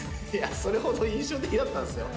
それほど印象的だったんですよ。